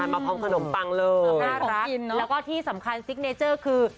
มาพร้อมขนมปังเลยน่ารักแล้วก็ที่สำคัญซิกเนเจอร์คือ